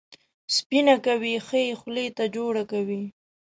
سپینه کوي، ښه یې خولې ته جوړه کوي.